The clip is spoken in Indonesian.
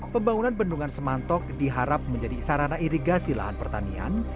pembangunan bendungan semantok diharap menjadi sarana irigasi lahan pertanian